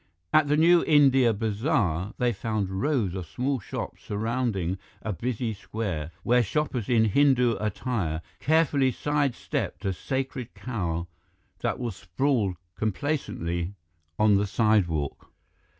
At the New India Bazaar, they found rows of small shops surrounding a busy square where shoppers in Hindu attire carefully side stepped a sacred cow that was sprawled complacently on the sidewalk.